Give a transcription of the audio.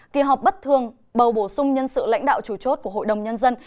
kỳ họp bất thường bầu bổ sung nhân sự lãnh đạo chủ chốt của hội đồng nhân dân